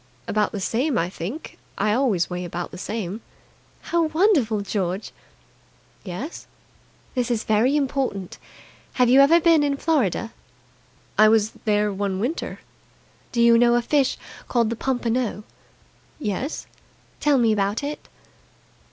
"About the same, I think. I always weigh about the same." "How wonderful! George!" "Yes?" "This is very important. Have you ever been in Florida?" "I was there one winter." "Do you know a fish called the pompano?" "Yes." "Tell me about it."